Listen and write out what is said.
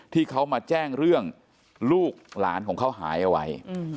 ที่เขามาแจ้งเรื่องลูกหลานของเขาหายเอาไว้